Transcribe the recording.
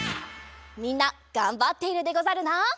みんながんばっているでござるな！